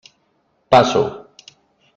Passo.